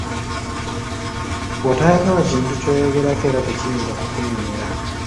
Bw'otayagala kintu ky'oyogerako era tekiyinza kukunyumira.